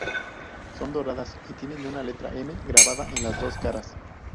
Son doradas y tienen una letra "M" grabada en las dos caras.